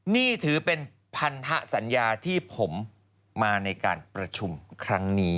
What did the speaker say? นี่ถือเป็นพันธสัญญาที่ผมมาในการประชุมครั้งนี้